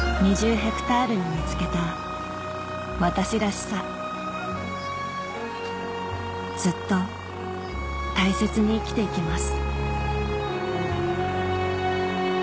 ヘクタールに見つけた私らしさずっと大切に生きて行きます